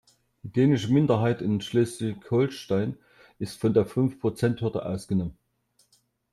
Die dänische Minderheit in Schleswig-Holstein ist von der Fünfprozenthürde ausgenommen.